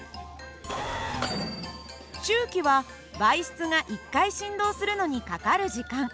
周期は媒質が１回振動するのにかかる時間。